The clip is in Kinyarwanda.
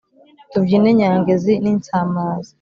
tubyine nyangezi n’insamaza